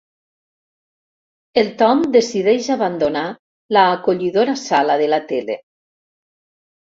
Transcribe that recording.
El Tom decideix abandonar l'acollidora sala de la tele.